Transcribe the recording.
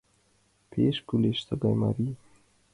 Пеш кӱлеш тыгай марий!»